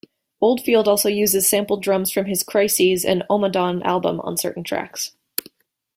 Oldfield also used sampled drums from his "Crises" and "Ommadawn" album on certain tracks.